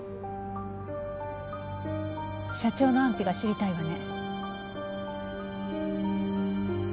社長の安否が知りたいわね。